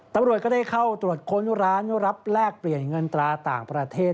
ตำรวจก็ได้เข้าตรวจค้นร้านรับแลกเปลี่ยนเงินตราต่างประเทศ